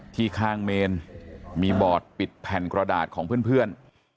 ข้างเมนมีบอร์ดปิดแผ่นกระดาษของเพื่อน